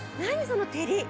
その照り！